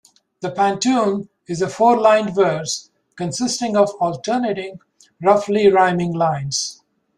The pantun is a four-lined verse consisting of alternating, roughly rhyming lines.